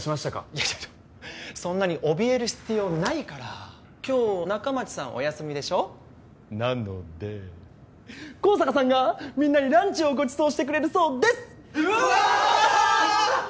いや違う違うそんなにおびえる必要ないから今日仲町さんお休みでしょなので香坂さんがみんなにランチをごちそうしてくれるそうですえっ？